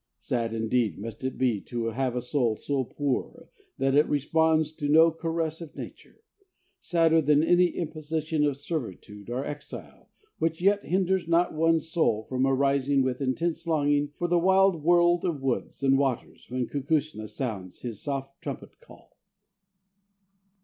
Sad indeed must it be to have a soul so poor that it responds to no caress of nature, sadder than any imposition of servitude or exile which yet hinders not one's soul from arising with intense longing for the wild world of woods and waters when Kukushna sounds his soft trumpet call.